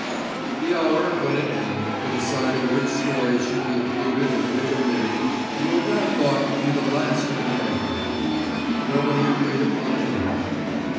The hour, when it came, for deciding which stories should be included and which omitted, would, I thought, be the last of the Night Club. Nobody agreed upon anything.